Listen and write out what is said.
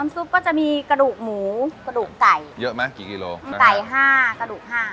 น้ำซุปก็จะมีกระดูกหมูกระดูกไก่เยอะมั้ยกี่กิโลกาย๕กระดูก๕